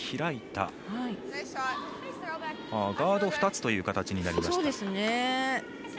ガード２つという形になりました。